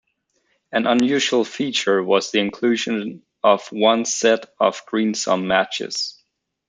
An unusual feature was the inclusion of one set of greensome matches.